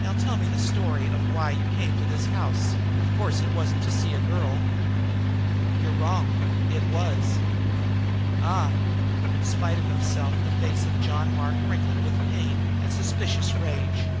Now tell me the story of why you came to this house; of course it wasn't to see a girl!" "You're wrong! It was." "Ah?" In spite of himself the face of John Mark wrinkled with pain and suspicious rage.